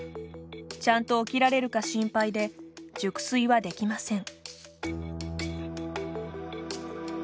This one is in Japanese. ちゃんと起きられるか心配で熟睡はできません。